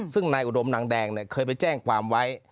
ซึ่งนายอุดมนางแดงเคยไปแจ้งความไว้